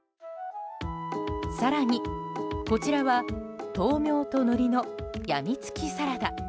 更に、こちらは豆苗とノリのやみつきサラダ。